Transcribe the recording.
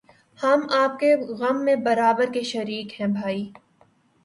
ہم آپ کے غم میں برابر کے شریک ہیں بھائی